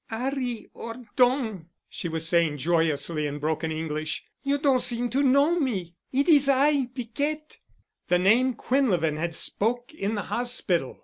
"'Arry 'Orton," she was saying joyously in broken English. "You don seem to know me. It is I—Piquette." The name Quinlevin had spoke in the hospital!